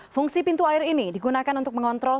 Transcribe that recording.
fungsi pintu air ini digunakan untuk mengontrol